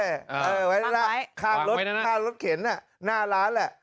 เออไว้แล้วข้ามรถเข็นน่ะหน้าร้านแหละ